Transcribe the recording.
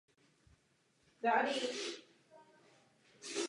Částečně dochované hospodářské budovy stály po obou stranách nádvoří.